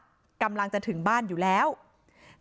แต่พอเห็นว่าเหตุการณ์มันเริ่มเข้าไปห้ามทั้งคู่ให้แยกออกจากกัน